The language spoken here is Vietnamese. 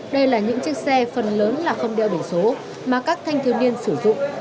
đây là những chiếc xe phần lớn là không đeo biển số mà các thanh thiếu niên sử dụng